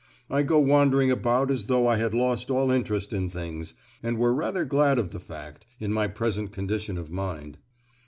I go wandering about as though I had lost all interest in things, and were rather glad of the fact, in my present condition of mind."